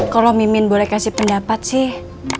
kalau mimin boleh kasih pendapat sih